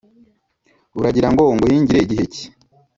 Uragira ngo nguhingire gihe ki ?